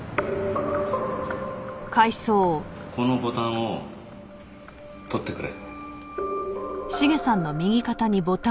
このボタンを取ってくれ。